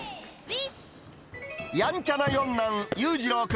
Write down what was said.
やんちゃな四男、結士朗君